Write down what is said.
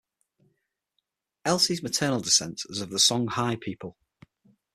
Elise's maternal descent is of the Songhai people.